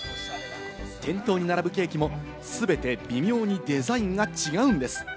店頭に並ぶケーキも全て微妙にデザインが違うんです。